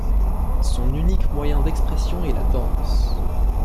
Son unique moyen d’expression est la danse.